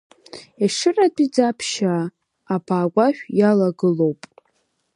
Иашыратәи Ӡаԥшьаа абаа агәашә илагылоуп.